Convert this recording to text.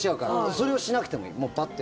それをしなくてもいい。